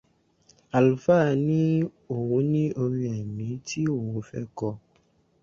Àlùfáà ní òun ni orin ẹ̀mí tí òun fẹ́ kọ.